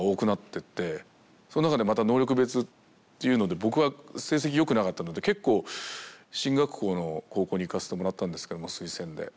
その中でまた能力別っていうので僕は成績良くなかったので結構進学校の高校に行かせてもらったんですけども推薦で。